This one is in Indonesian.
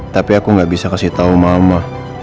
tapi aku ga bisa kasih tau mama